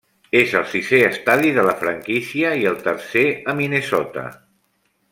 És el sisè estadi de la franquícia i el tercer a Minnesota.